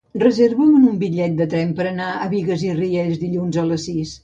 Reserva'm un bitllet de tren per anar a Bigues i Riells dilluns a les sis.